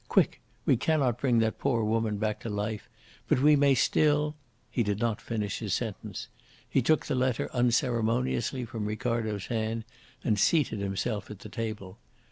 "Quick! We cannot bring that poor woman back to life; but we may still " He did not finish his sentence. He took the letter unceremoniously from Ricardo's hand and seated himself at the table.